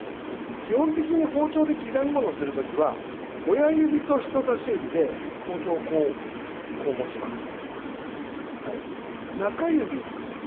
基本的に包丁で刻みものをするときは親指と人差し指で包丁を待ちます。